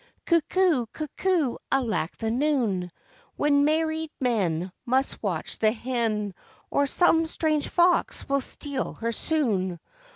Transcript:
Cuckoo! cuckoo! alack the noon, When married men Must watch the hen, Or some strange fox will steal her soon.